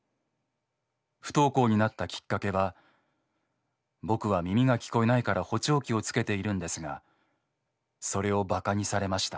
不登校になったきっかけは僕は耳が聞こえないから補聴器を付けているんですがそれを馬鹿にされました。